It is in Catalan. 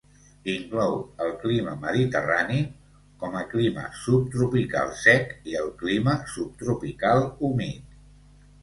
Inclou el clima mediterrani, com a clima subtropical sec i el clima subtropical humit.